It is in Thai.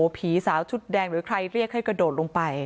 ผีสาวชุดแดงหรือใครเรียกให้กระโดดลงไป